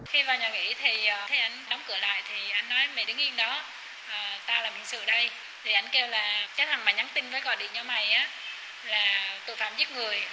cái thằng mà nhắn tin với gọi điện cho mày là tội phạm giết người